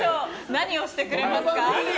何をしてくれますか？